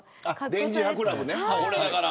電磁波クラブね。